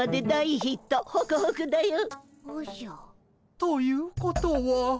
ということは。